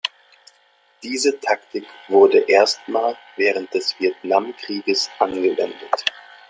Diese Taktik wurde erstmals während des Vietnamkrieges angewendet.